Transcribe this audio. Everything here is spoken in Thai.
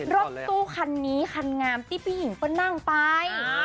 รถตู้คันนี้คันงามที่พี่หญิงก็นั่งไป